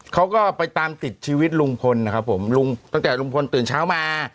เขาก็ไปตามติดชีวิตลุงพลนะครับผมลุงตั้งแต่ลุงพลตื่นเช้ามา